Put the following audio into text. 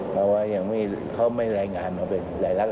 เพราะว่าเขาไม่แรงงานมาเป็นหลายลักษณ์อักษร